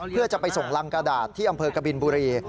เพื่อจะไปส่งรังกระดาษที่อำเภอกบินบุรี